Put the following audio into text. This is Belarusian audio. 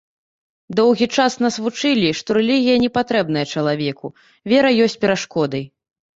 Доўгі час нас вучылі, што рэлігія не патрэбная чалавеку, вера ёсць перашкодай.